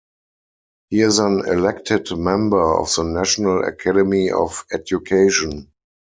He is an elected member of the National Academy of Education.